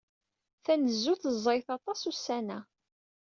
Tanezzut ẓẓayet aṭas ussan-a.